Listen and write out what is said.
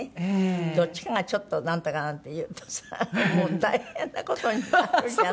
どっちかがちょっと「ナントカ」なんて言うとさもう大変な事になるじゃない？